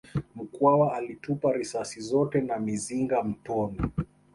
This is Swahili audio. Mkwawa alitupa risasi zote na mizinga mtoni